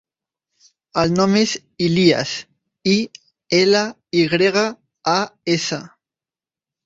El nom és Ilyas: i, ela, i grega, a, essa.